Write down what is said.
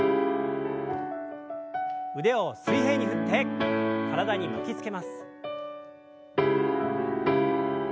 腕を水平に振って体に巻きつけます。